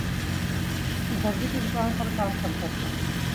درزی کی دکان پرکام کرتا تھا